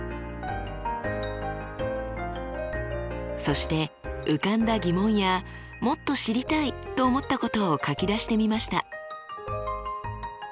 そして浮かんだ疑問やもっと知りたいと思ったことを書き出してみました。